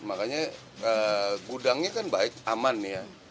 makanya gudangnya kan baik aman ya